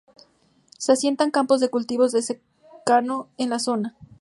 Se asientan campos de cultivos de secano en la zona.